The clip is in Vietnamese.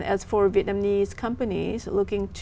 được giữ đến tầng cao nhất